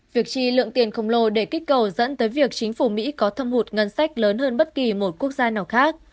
việc chi lượng tiền khổng lồ để kích cầu dẫn tới việc chính phủ mỹ có thâm hụt ngân sách lớn hơn bất kỳ một quốc gia nào khác